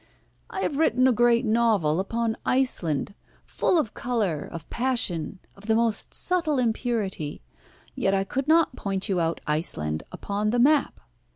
"I have written a great novel upon Iceland, full of colour, of passion, of the most subtle impurity, yet I could not point you out Iceland upon the map.